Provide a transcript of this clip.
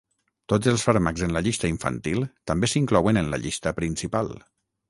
Tots els fàrmacs en la llista infantil també s'inclouen en la llista principal.